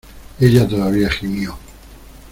ella todavía gimió: